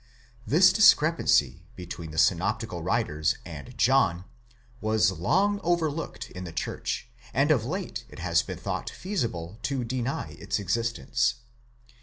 This discrepancy between the synoptical writers and John was long overlooked in the church, and of late it has been thought feasible to deny its existence.